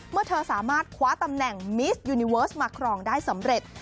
เมื่อเธอสามารถคว้าตำแหน่งมิสยูนิเวิร์สมาครองได้สำเร็จ